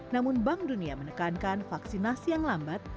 namun bank dunia menekankan vaksinasi yang lambat